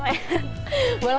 ini kita lihat dulu